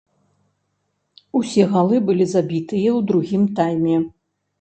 Усе галы былі забітыя ў другім тайме.